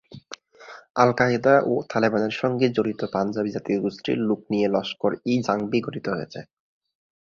আল Qaeda ও তালেবানের সঙ্গে জড়িত পাঞ্জাবি জাতিগোষ্ঠীর লোক নিয়ে লস্কর-ই-জাংভি গঠিত হয়েছে।